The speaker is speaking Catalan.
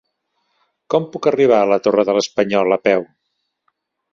Com puc arribar a la Torre de l'Espanyol a peu?